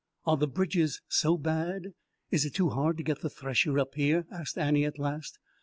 "Are the bridges so bad? Is it too hard to get the thresher up here?" asked Annie at last.